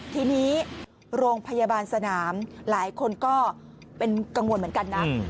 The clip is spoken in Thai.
ทีนี้โรงพยาบาลสนามหลายคนก็เป็นกังวลเหมือนกันนะ